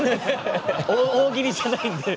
大喜利じゃないですよ。